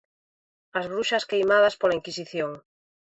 As bruxas queimadas pola Inquisición.